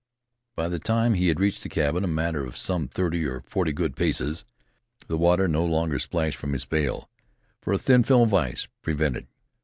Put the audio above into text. By the time he had reached the cabin, a matter of some thirty or forty good paces, the water no longer splashed from his pail, for a thin film of ice prevented.